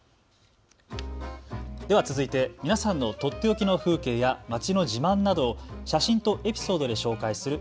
続いて皆さんのとっておきの風景や街の自慢などを写真とエピソードで紹介する＃